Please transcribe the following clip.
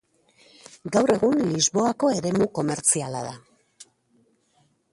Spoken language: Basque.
Gaur egun Lisboako eremu komertziala da.